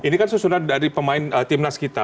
ini kan susunan dari pemain timnas kita